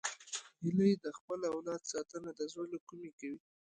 هیلۍ د خپل اولاد ساتنه د زړه له کومي کوي